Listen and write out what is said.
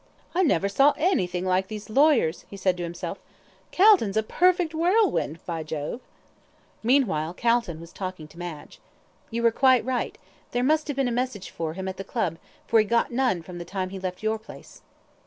"I never saw anything like these lawyers," he said to himself. "Calton's a perfect whirlwind, by Jove." Meanwhile Calton was talking to Madge. "You were right," he said, "there must have been a message for him at the Club, for he got none from the time he left your place."